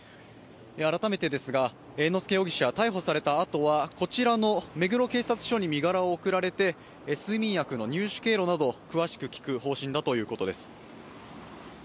改めてですが、猿之助容疑者、逮捕されたあとはこちらの目黒警察署に身柄を送られて睡眠薬の入手経路などを詳しく聞く方針だということです。